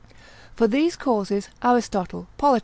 For these causes Aristotle Polit.